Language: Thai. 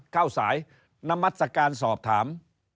เข้าสายนมัศกาลสอบถาม